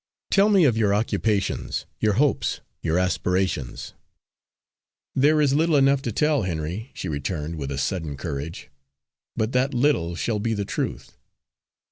Tell me of your occupations, your hopes, your aspirations." "There is little enough to tell, Henry," she returned, with a sudden courage, "but that little shall be the truth.